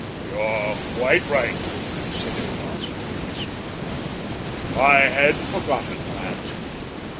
"You're quite right," he said at last, with a little smile. "I had forgotten that."